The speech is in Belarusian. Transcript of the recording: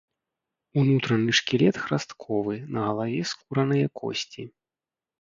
Унутраны шкілет храстковы, на галаве скураныя косці.